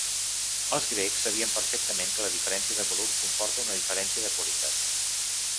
Els grecs sabien perfectament que la diferència de volum comporta una diferència de qualitat.